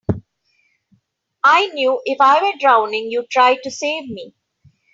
I knew if I were drowning you'd try to save me.